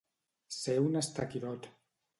Ser un estaquirot.